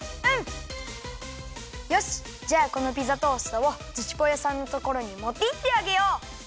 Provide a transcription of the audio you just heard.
よしじゃあこのピザトーストをズチぽよさんのところにもっていってあげよう！